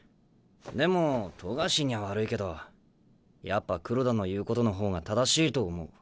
でも冨樫にゃ悪いけどやっぱ黒田の言うことの方が正しいと思う。